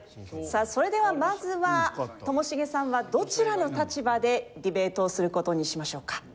さあそれではまずはともしげさんはどちらの立場でディベートをする事にしましょうか？